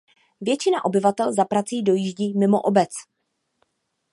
Většina obyvatel za prací dojíždí mimo obec.